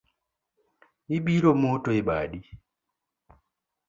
Ibiro moto e badi